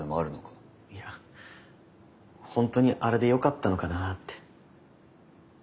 いや本当にあれでよかったのかなあって。